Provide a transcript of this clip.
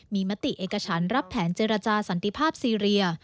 มีมติเอกฉันรับแผนเจรจาสันติภาพซีเรีย